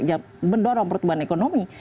yang mendorong pertumbuhan ekonomi